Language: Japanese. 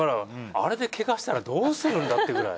あれでケガしたらどうするんだっていうくらい。